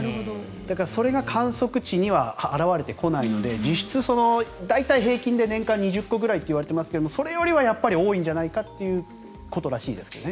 だから、それが観測地には表れてこないので実質、大体平均で年間２０個ぐらいといわれていますがそれよりはやっぱり多いんじゃないかということらしいですけどね。